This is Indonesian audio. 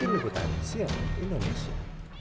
ini butaan sial indonesia